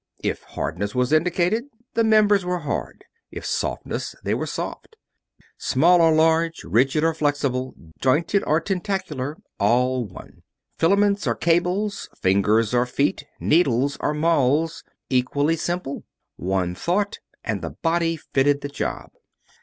If hardness was indicated, the members were hard; if softness, they were soft. Small or large, rigid or flexible; joined or tentacular all one. Filaments or cables; fingers or feet; needles or mauls equally simple. One thought and the body fitted the job.